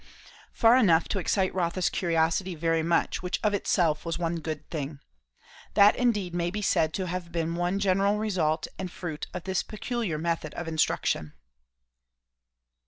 Far enough to excite Rotha's curiosity very much, which of itself was one good thing. That indeed may be said to have been one general result and fruit of this peculiar method of instruction.